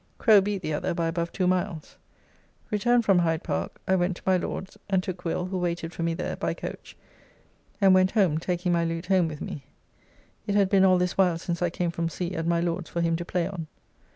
Crow beat the other by above two miles. Returned from Hide Park, I went to my Lord's, and took Will (who waited for me there) by coach and went home, taking my lute home with me. It had been all this while since I came from sea at my Lord's for him to play on.